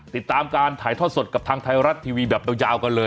ติดตามการถ่ายทอดสดกับทางไทยรัฐทีวีแบบยาวกันเลย